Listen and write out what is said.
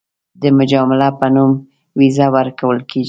د مجامله په نوم ویزه ورکول کېږي.